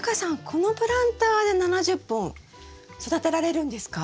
このプランターで７０本育てられるんですか？